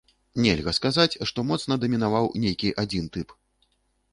Нельга сказаць, што моцна дамінаваў нейкі адзін тып.